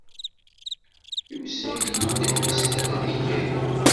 Yusa-iyi-d yeshel ad geɣ aya.